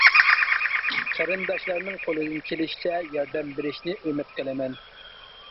قېرىنداشلارنىڭ قولىدىن كېلىشىچە ياردەم بېرىشىنى ئۈمىد قىلىمەن.